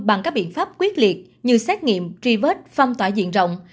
bằng các biện pháp quyết liệt như xét nghiệm truy vết phong tỏa diện rộng